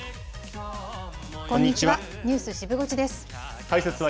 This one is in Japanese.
こんにちは。